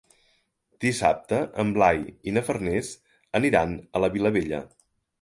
Dissabte en Blai i na Farners aniran a la Vilavella.